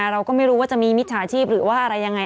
เราก็ไม่รู้ว่าจะมีมิจฉาชีพหรือว่าอะไรยังไง